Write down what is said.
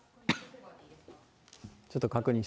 ちょっと確認して。